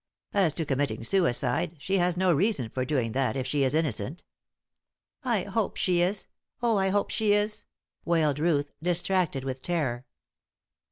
As to committing suicide, she has no reason for doing that, if she is innocent." "I hope she is. Oh, I hope she is" wailed Ruth, distracted with terror.